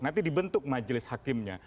nanti dibentuk majelis hakimnya